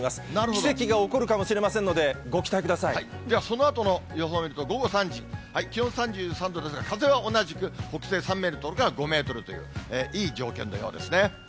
奇跡が起こるかもしれませんので、では、そのあとの予報を見ると、午後３時、気温３３度ですが、風は同じく北西３メートルから５メートルという、いい条件のようですね。